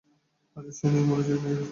আজও সেই নিয়ম অনুযায়ী নিয়ে যাচ্ছ।